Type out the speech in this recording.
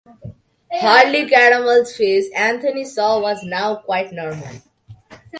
Harley Caramel's face, Anthony saw, was now quite normal.